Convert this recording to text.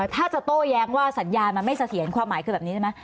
ถ้าจะโต้แย้งว่าสัญญาณมันไม่เสถียรความหมายคือแบบนี้ใช่ไหม